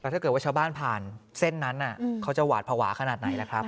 ถ้าเกิดว่าชาวบ้านผ่านเส้นนั้นเขาจะหวาดภาวะขนาดไหนล่ะครับ